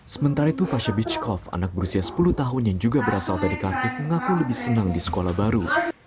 sementara itu pasha bijkov anak berusia sepuluh tahun yang juga berasal dari kharkiv mengaku lebih senang di sekolah baru